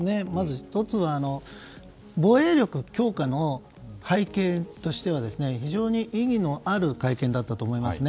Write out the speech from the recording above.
１つは防衛力強化の背景としては非常に意義のある会見だったと思いますね。